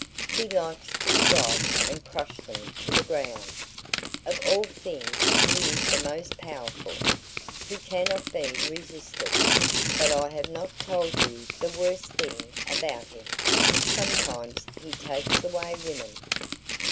He likes to strike and crush them to the ground. Of all things he is the most powerful. He cannot be resisted. But I have not told you the worst thing about him. Sometimes he takes away women.